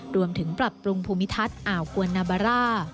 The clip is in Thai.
รวมถึงปรับปรุงภูมิทัศน์อ่าวกวนนาบาร่า